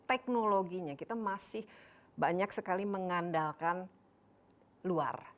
teknologinya kita masih banyak sekali mengandalkan luar